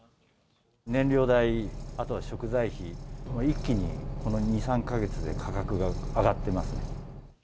燃料代、あとは食材費、一気にこの２、３か月で価格が上がってますね。